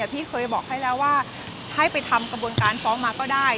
พี่เคยบอกให้แล้วว่าให้ไปทำกระบวนการฟ้องมาก็ได้